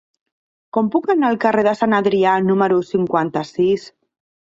Com puc anar al carrer de Sant Adrià número cinquanta-sis?